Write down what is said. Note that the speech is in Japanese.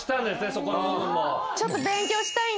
そこの部分も。